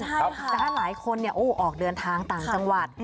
หลายคนออกเดินทางต่างจังหวัด